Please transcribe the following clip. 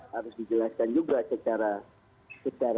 harus dijelaskan juga secara